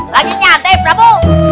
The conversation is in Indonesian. lagi nyantai prabu